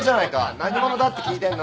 何者だって聞いてんの！